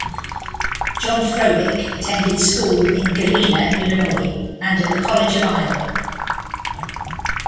John Froelich attended school in Galena, Illinois, and at the College of Iowa.